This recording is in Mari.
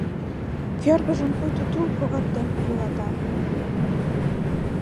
Кӧргыжым пуйто тул когартен йӱлата.